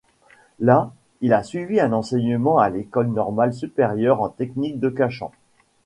Là, il a suivi un enseignement à l’école normale supérieure en techniques de Cachan.